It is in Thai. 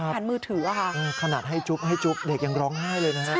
มือถืออะค่ะขนาดให้จุ๊บให้จุ๊บเด็กยังร้องไห้เลยนะฮะ